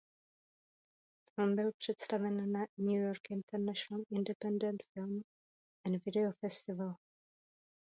Film byl představen na New York International Independent Film and Video Festival.